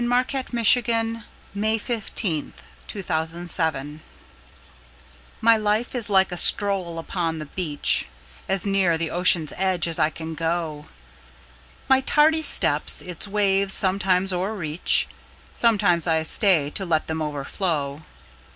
By Henry DavidThoreau 301 The Fisher's Boy MY life is like a stroll upon the beach, As near the ocean's edge as I can go; My tardy steps its waves sometimes o'erreach, Sometimes I stay to let them overflow.